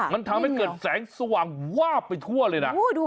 มันทำให้เกิดแสงสว่างวาบไปทั่วเลยนะ